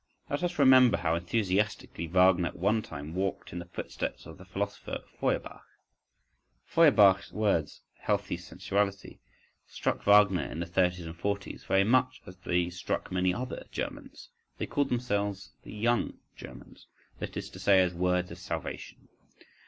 Let us remember how enthusiastically Wagner at one time walked in the footsteps of the philosopher Feuerbach. Feuerbach's words "healthy sensuality" struck Wagner in the thirties and forties very much as they struck many other Germans—they called themselves the young Germans—that is to say, as words of salvation.